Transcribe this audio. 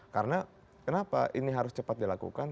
karena kenapa ini harus cepat dilakukan